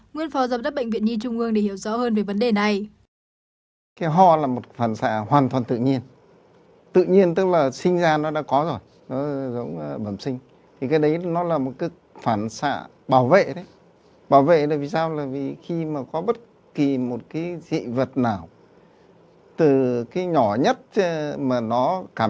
nguyên phó giám đốc bệnh viện nhi trung ương để hiểu rõ hơn về vấn đề này